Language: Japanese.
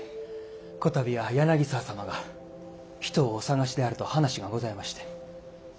こたびは柳沢様が人をお探しであると話がございまして。